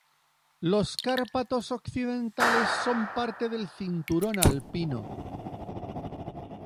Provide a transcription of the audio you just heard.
Los Cárpatos occidentales son parte del cinturón alpino.